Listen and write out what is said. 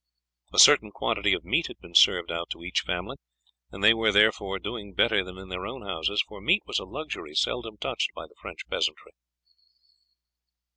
A certain quantity of meat had been served out to each family, and they were therefore doing better than in their own houses, for meat was a luxury seldom touched by the French peasantry.